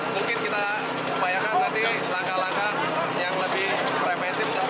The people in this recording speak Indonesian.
mungkin kita bayangkan nanti langkah langkah yang lebih preventif